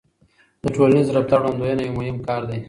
د ټولنیز رفتار وړاندوينه یو مهم کار دی.